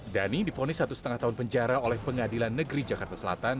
dhani difonis satu lima tahun penjara oleh pengadilan negeri jakarta selatan